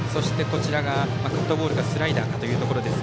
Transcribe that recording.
こちらがカットボールかスライダーかというところです。